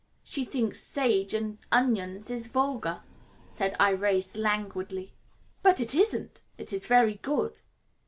"She thinks sage and onions is vulgar," said Irais languidly; "but it isn't, it is very good."